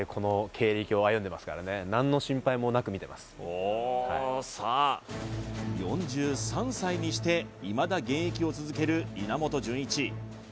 おおっさあ４３歳にしていまだ現役を続ける稲本潤一